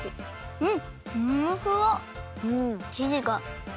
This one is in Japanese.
うん！